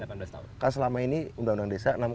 karena selama ini undang undang desa enam x tiga